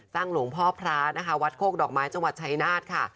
หลวงพ่อพระนะคะวัดโคกดอกไม้จังหวัดชายนาฏค่ะ